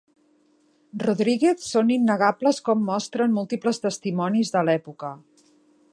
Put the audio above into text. Rodríguez són innegables com mostren múltiples testimonis de l'època.